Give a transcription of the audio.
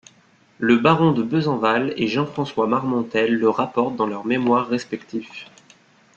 Le baron de Besenval et Jean-François Marmontel le rapportent dans leurs mémoires respectifs.